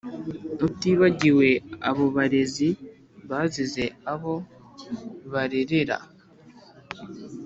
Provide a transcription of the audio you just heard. Utibagiwe abo barezi Bazize abo barerera !